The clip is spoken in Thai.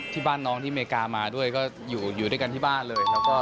ที่บ้านน้องที่อเมริกามาด้วยก็อยู่ด้วยกันที่บ้านเลยครับ